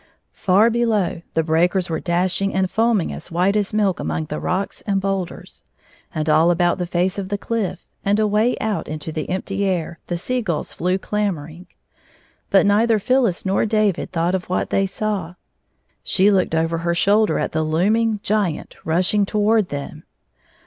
Far below the breakers were dashing and foam ing as white as milk among the rocks and boul ders, and all about the face of the cliff, and away out into the empty air, the sea gulls flew clamor ing. But neither Phyllis nor David thought of what they saw. She looked over her shoulder at the looming Giant rushing toward them.